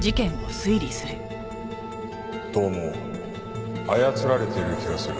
どうも操られている気がする。